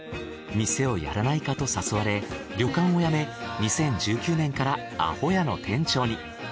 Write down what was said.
店をやらないかと誘われ旅館を辞め２０１９年からあほやの店長に。